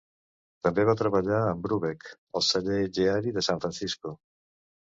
També va treballar amb Brubeck al celler Geary de San Francisco.